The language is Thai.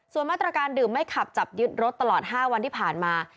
ส่วนมาตรการดื่มไม่ขับจับยึดรถตลอด๕วันที่ผ่านมา